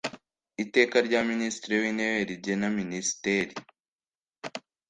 Iteka rya Minisitiri wintebe rigena Minisiteri